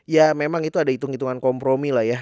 ya memang itu ada hitung hitungan kompromi lah ya